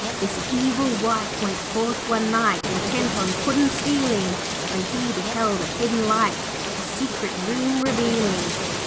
'This evil wight went forth one night Intent on puddin' stealing, When he beheld a hidden light A secret room revealing.